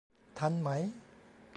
ทันไหม